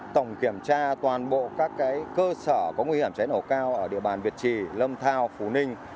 tổng kiểm tra toàn bộ các cơ sở có nguy hiểm cháy nổ cao ở địa bàn việt trì lâm thao phú ninh